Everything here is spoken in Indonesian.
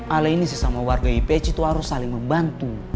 alaini sih sama warga ipeci tuh harus saling membantu